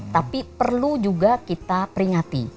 tapi perlu juga kita peringati